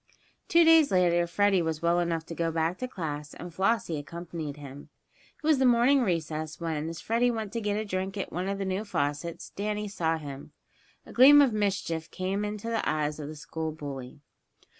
Two days later Freddie was well enough to go back to class, and Flossie accompanied him. It was at the morning recess when, as Freddie went to get a drink at one of the new faucets, Danny saw him. A gleam of mischief came into the eyes of the school bully.